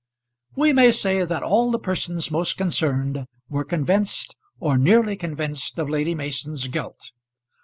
We may say that all the persons most concerned were convinced, or nearly convinced, of Lady Mason's guilt.